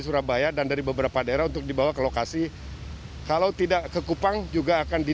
surabaya dan dari beberapa daerah untuk dibawa ke lokasi kalau tidak ke kupang juga akan di